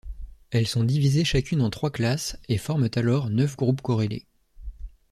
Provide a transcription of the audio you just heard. Elles sont divisées chacune en trois classes et forment alors neuf groupes corrélés.